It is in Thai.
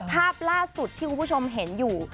ภาพล่าสุดที่คุณผู้ชมเห็นอยู่